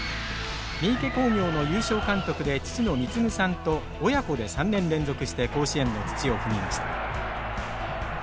三池工業の優勝監督で父の貢さんと親子で３年連続して甲子園の土を踏みました。